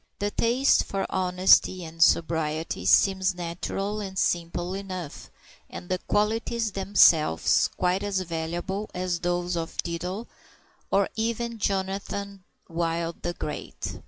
The taste for honesty and sobriety seems natural and simple enough, and the qualities themselves quite as valuable as those of Diddler, or even of Jonathan Wild the Great.